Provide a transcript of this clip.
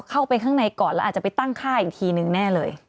เข้าไปข้างในก่อนแล้วอาจจะไปตั้งค่าอีกทีนึงแน่เลย